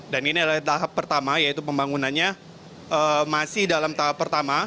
dan ini adalah tahap pertama yaitu pembangunannya masih dalam tahap pertama